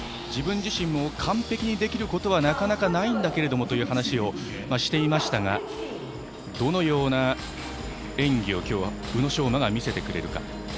自分自身も完璧にできることはなかなかないという話をしていましたがどのような演技を今日、宇野昌磨が見せてくれるか。